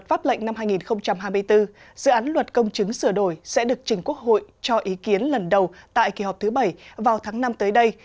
luật pháp lệnh năm hai nghìn hai mươi bốn dự án luật công chứng sửa đổi sẽ được trình quốc hội cho ý kiến lần đầu tại kỳ họp thứ bảy vào tháng năm tới đây